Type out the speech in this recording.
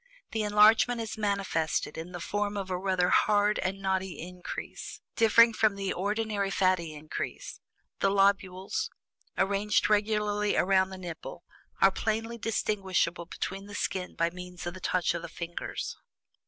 The enlargement is manifested in the form of a rather hard and knotty increase, differing from the ordinary fatty increase; the lobules, arranged regularly around the nipple, are plainly distinguishable beneath the skin by means of the touch of the fingers.